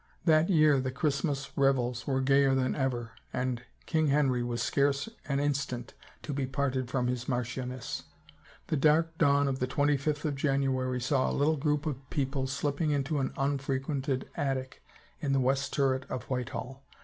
That year the Christmas revels were gayer than ever and King Henry was scarce an instant to be parted from his marchioness. The dark dawn of the twenty fifth of January saw a little group of people slipping into an unfrequented attic in the west turret of Whitehall.